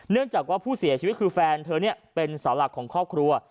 จากว่าผู้เสียชีวิตคือแฟนเธอเป็นสาวหลักของครอบครัว